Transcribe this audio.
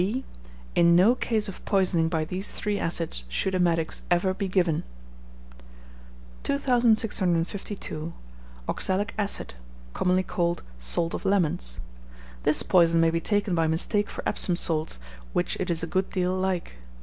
B. In no case of poisoning by these three acids should emetics ever be given. 2652. Oxalic Acid, commonly called Salt of Lemons. This poison may be taken by mistake for Epsom salts, which it is a good deal like.